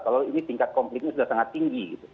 kalau ini tingkat konflik ini sudah sangat tinggi